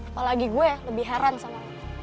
apalagi gue lebih heran sama